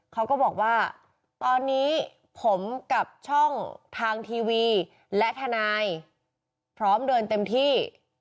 เขาก็บอกว่าตอนนี้ผมกับช่องทางทีวีและทนายพร้อมเดินเต็มที่